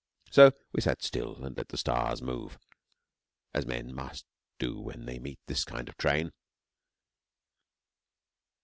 So we sat still and let the stars move, as men must do when they meet this kind of train.